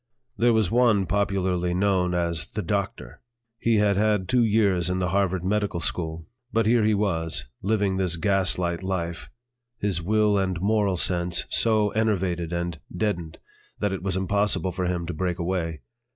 There was one popularly known as "the doctor"; he had had two years in the Harvard Medical School, but here he was, living this gas light life, his will and moral sense so enervated and deadened that it was impossible for him to break away.